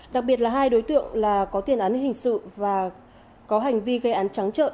đặc biệt là hai đối tượng là có tiền án hình sự và có hành vi gây án trắng trợ